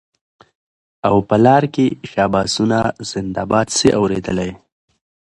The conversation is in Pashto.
او په لار کي شاباسونه زنده باد سې اورېدلای